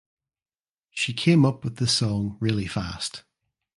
She came up with the song really fast.